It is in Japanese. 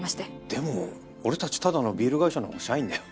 でも俺たちただのビール会社の社員だよ。